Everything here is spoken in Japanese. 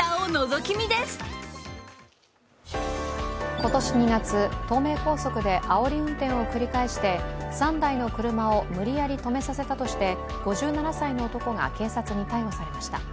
今年２月、東名高速であおり運転を繰り返して３台の車を無理やり止めさせたとして５７歳の男が警察に逮捕されました。